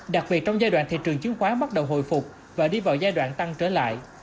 đặc biệt trong giai đoạn thị trường chứng khoán bắt đầu hồi phục và đi vào giai đoạn tăng trở lại